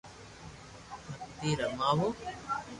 مني رماوُ